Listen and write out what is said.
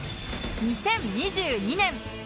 ２０２２年